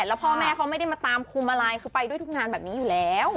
แล้วพ่อแม่เขาไม่ได้มาตามคุมอะไรคือไปด้วยทุกงานแบบนี้อยู่แล้ว